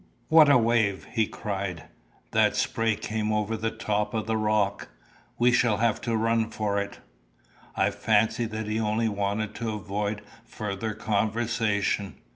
"What a wave!" he cried. "That spray came over the top of the rock. We shall have to run for it." I fancied that he only wanted to avoid further conversation.